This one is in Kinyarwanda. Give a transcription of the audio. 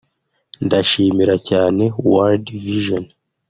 “Ndashimira cyane World Vision